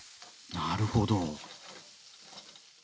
なるほど。